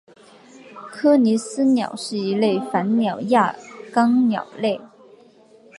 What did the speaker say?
利尼斯鸟是一类反鸟亚纲鸟类。